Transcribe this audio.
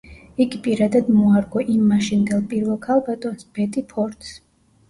იგი პირადად მოარგო იმ მაშინდელ პირველ ქალბატონს, ბეტი ფორდს.